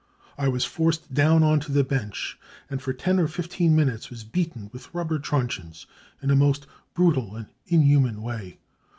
I was forced down on to the bench, and for ten or fifteen minutes was beaten with rubber truncheons in a most brutal and inhuman way.